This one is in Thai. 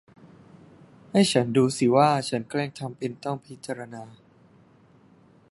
ให้ฉันดูสิว่าฉันแกล้งทำเป็นต้องพิจารณา